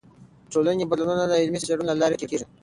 ټولنې بدلونونه د علمي څیړنو له لارې درک کیږي.